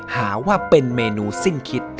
หาว่าเป็นเมนูสิ้นคิด